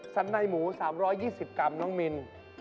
สันในหมู๓๒๐กรัมน้องมิน